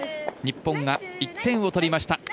日本が１点を取りました。